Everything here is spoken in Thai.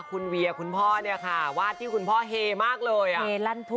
คุณเวียคุณพ่อว่าที่คุณพ่อเฮมากเลย